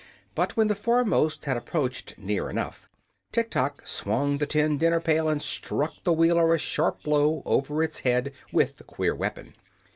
But when the foremost had approached near enough, Tiktok swung the tin dinner pail and struck the Wheeler a sharp blow over its head with the queer weapon.